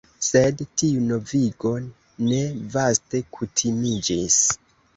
Sed tiu novigo ne vaste kutimiĝis.